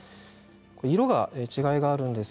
色の違いがあります。